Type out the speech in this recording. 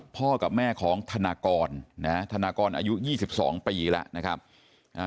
พ่อกับแม่ของธนากรอายุ๒๒ปีกันแล้ว